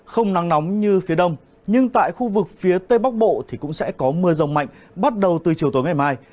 không nắng nóng như phía đông nhưng tại khu vực phía tây bắc bộ thì cũng sẽ có mưa rông mạnh bắt đầu từ chiều tối ngày mai